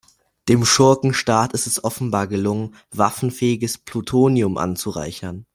Dem Schurkenstaat ist es offenbar gelungen, waffenfähiges Plutonium anzureichern.